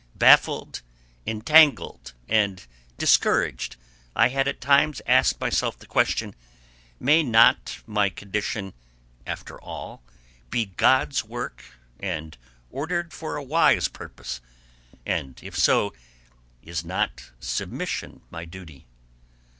Baffled, entangled, and discouraged, I had at times asked myself the question, May not my condition after all be God's work, and ordered for a wise purpose, and if so, Is not submission my duty?